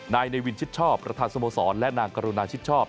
นายเนวินชิดชอบประธานสโมสรและนางกรุณาชิดชอบ